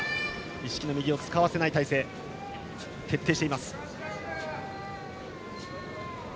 一色の右を使わせない体勢を徹底しています。